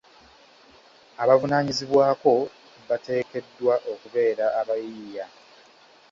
Abavunaanyizibwako bateekeddwa okubeera abayiiya.